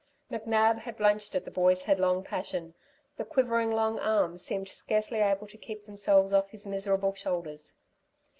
McNab had blenched at the boy's headlong passion. The quivering long arms seemed scarcely able to keep themselves off his miserable shoulders.